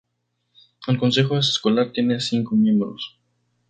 El consejo escolar tiene cinco miembros.